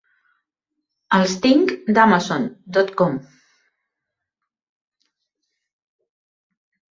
Els tinc d'Amazon dot com.